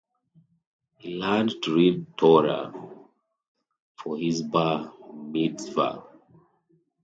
He learned to read Torah for his bar mitzvah.